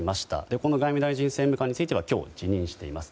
この外務大臣政務官については今日、辞任しています。